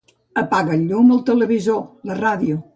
Apaga el llum, el televisor, la ràdio.